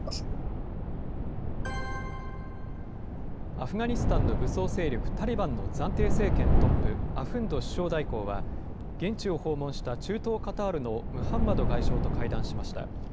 アフガニスタンの武装勢力タリバンの暫定政権トップ、アフンド首相代行は、現地を訪問した中東カタールのムハンマド外相と会談しました。